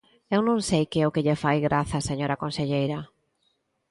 Eu non sei que é o que lle fai graza, señora conselleira.